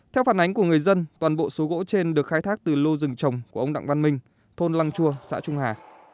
theo phản ánh của người dân toàn bộ số gỗ trên được khai thác từ lô rừng trồng của ông đặng văn minh thôn lăng chua xã trung hà